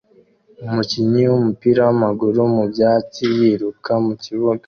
Umukinnyi wumupira wamaguru mubyatsi yiruka mukibuga